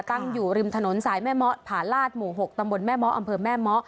ตั้งอยู่ริมถนนสายแม่เมาะผาลาศหมู่๖ตำบลแม่เมาะอำเภอแม่เมาะ